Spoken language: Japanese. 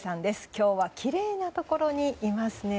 今日はきれいなところにいますね。